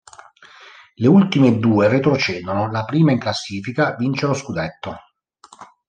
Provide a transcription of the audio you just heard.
Le ultime due retrocedono, la prima in classifica vince lo scudetto.